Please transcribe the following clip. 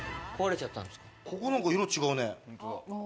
ここなんか色違うね。